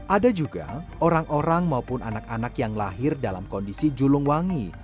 ada juga orang orang maupun anak anak yang lahir dalam kondisi julungwangi